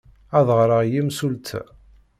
Ad ɣreɣ i yimsulta.